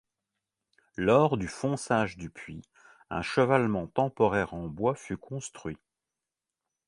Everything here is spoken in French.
Lors du fonçage du puits, un chevalement temporaire en bois fut construit.